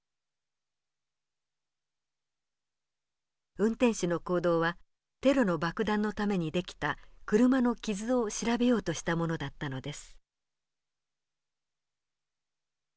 運転手の行動はテロの爆弾のために出来た車の傷を調べようとしたものだったのです。